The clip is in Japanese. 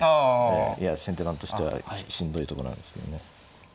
ええいや先手番としてはしんどいとこなんですよね。